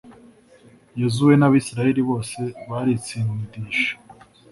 yozuwe n'abayisraheli bose baritsindisha